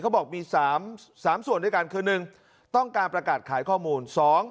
บอกมี๓ส่วนด้วยกันคือ๑ต้องการประกาศขายข้อมูล